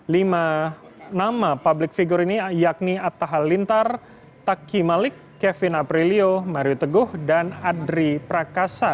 lima nama public figure ini yakni atta halintar taki malik kevin aprilio mario teguh dan adri prakasa